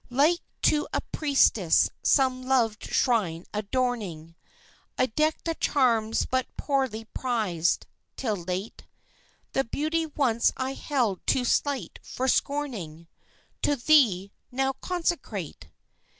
Like to a priestess some loved shrine adorning, I deck the charms but poorly prized, till late, The beauty once I held too slight for scorning To thee, now consecrate!